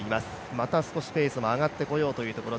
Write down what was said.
また少しペースも上がってこようというところ。